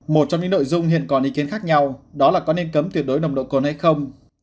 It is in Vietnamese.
một trong những nội dung hiện còn ý kiến khác nhau đó là có nên cấm tuyệt đối nồng độ cồn hay không